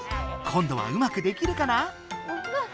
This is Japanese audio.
今どはうまくできるかな？